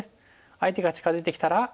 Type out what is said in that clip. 相手が近づいてきたら。